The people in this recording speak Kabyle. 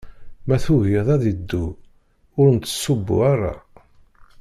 Ma tugiḍ ad iddu, ur nettṣubbu ara.